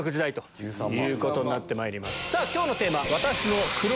今日のテーマ。